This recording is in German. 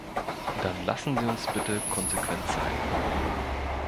Dann lassen Sie uns bitte konsequent sein.